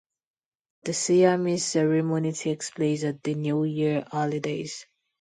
The Siamese ceremony takes place at the New Year holidays.